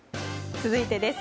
続いてです。